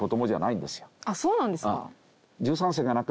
そうなんですか？